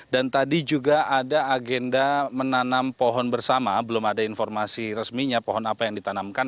dan tadi juga ada agenda menanam pohon bersama belum ada informasi resminya pohon apa yang ditanamkan